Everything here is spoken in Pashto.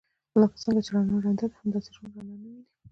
لکه څنګه چې رڼا ړنده ده همداسې ړوند رڼا نه ويني.